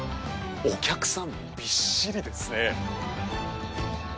お客さんびっしりですね。